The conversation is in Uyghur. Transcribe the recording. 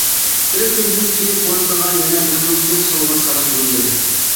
بىر كۈندىن كىيىن ئوردىغا يەنە بىر مۇنچە سوۋغا-سالام يوللىدى.